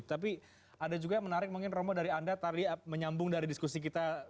tapi ada juga yang menarik mungkin romo dari anda tadi menyambung dari diskusi kita